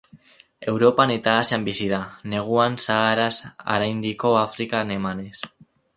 Europan eta Asian bizi da, neguan Saharaz haraindiko Afrikan emanez.